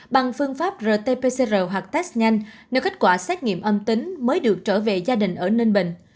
bằng phương pháp rt pcr hoặc test nhanh nếu kết quả xét nghiệm âm tính mới được trở về gia đình ở ninh bình